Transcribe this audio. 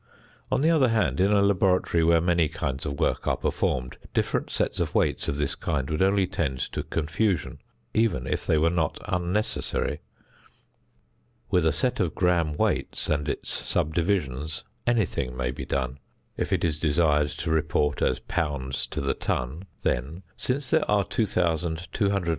On the other hand, in a laboratory where many kinds of work are performed, different sets of weights of this kind would only tend to confusion, even if they were not unnecessary. With a set of gram weights and its subdivisions anything may be done. If it is desired to report as pounds to the ton, then, since there are 2240 lbs. to the ton, a weight of 2.